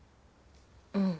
うん。